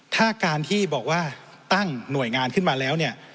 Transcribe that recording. ถ้าการที่บอกว่าตั้งหน่วยงานขึ้นมาแล้วเนี่ย